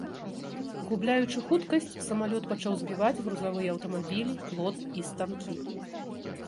Губляючы хуткасць, самалёт пачаў збіваць грузавыя аўтамабілі, плот і станкі.